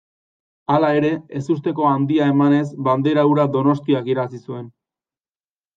Hala ere, ezusteko handia emanez bandera hura Donostiak irabazi zuen.